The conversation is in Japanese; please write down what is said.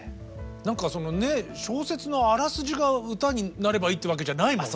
何かそのね小説のあらすじが歌になればいいってわけじゃないもんね。